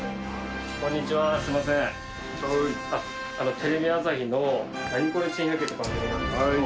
テレビ朝日の『ナニコレ珍百景』って番組なんですけど。